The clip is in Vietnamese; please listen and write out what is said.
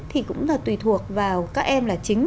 thì cũng là tùy thuộc vào các em là chính